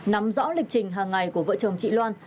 nắm rõ lịch trình hàng ngày của vợ chồng chị loan